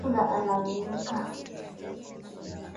Kiongozi wa kundi hilo Sultani Makenga anaaminika